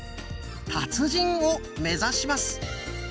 達人を目指します。